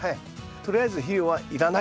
とりあえず肥料はいらない。